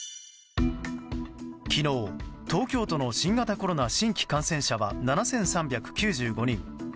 昨日、東京都の新型コロナ新規感染者は７３９５人。